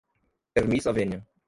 permissa venia